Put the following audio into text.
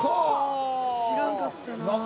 知らんかったな。